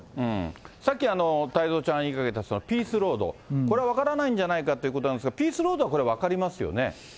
さっき太蔵ちゃん言いかけた、ピースロード、これは分からないんじゃないかということなんですが、ピースロードはこれ、分かりますよね。